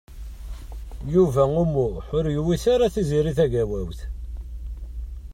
Yuba U Muḥ ur yewwit ara Tiziri Tagawawt.